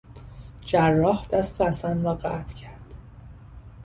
جراح دست حسن را قطع کرد.